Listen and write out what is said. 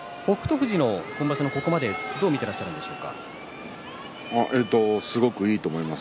富士の今場所のここまですごくいいと思います。